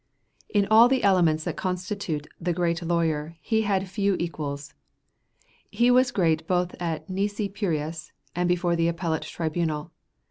In all the elements that constitute the great lawyer he had few equals. He was great both at nisi prius and before an appellate tribunal.